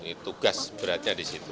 ini tugas beratnya disitu